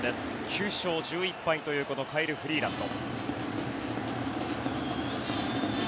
９勝１１敗というカイル・フリーランド。